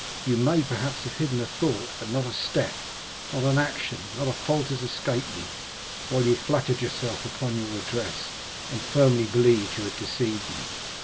You may, perhaps, have hidden a thought; but not a step, not an action, not a fault, has escaped me, while you flattered yourself upon your address, and firmly believed you had deceived me.